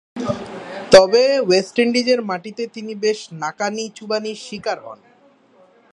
তবে, ওয়েস্ট ইন্ডিজের মাটিতে তিনি বেশ নাকানি-চুবানির শিকার হন।